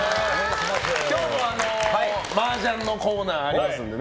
今日もマージャンのコーナーありますんでね。